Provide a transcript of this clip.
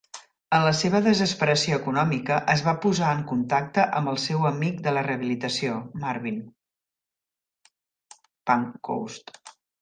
En la seva desesperació econòmica, es va posar en contacte amb el seu amic de la rehabilitació, Marvin Pancoast.